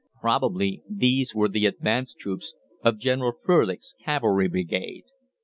Probably these were the advanced troops of General Frölich's Cavalry Brigade."